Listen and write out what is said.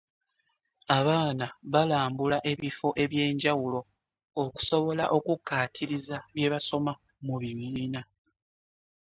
Abaana balambula ebifo eby'enjawulo okusobola okukaatiriza bye basoma mu bibiina.